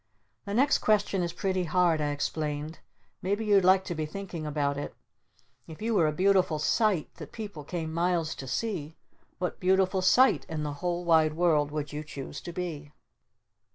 "The next question is pretty hard," I explained. "Maybe you'd like to be thinking about it. If you were a Beautiful Sight that people came miles to see, what Beautiful Sight in the whole wide world would you choose to be?"